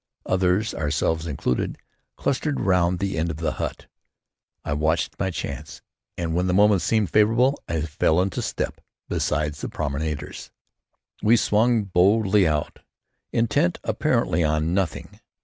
Others, ourselves included, clustered round the end of the hut. I watched my chance, and when the moment seemed favorable, fell into step beside the promenaders. We swung boldly out, intent apparently, on nothing.